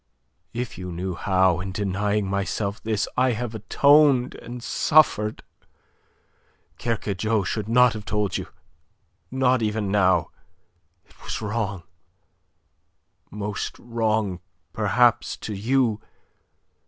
If you knew how in denying myself this I have atoned and suffered! Kercadiou should not have told you not even now. It was wrong most wrong, perhaps, to you.